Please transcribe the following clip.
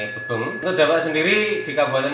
bebong untuk dapat sendiri di kabupaten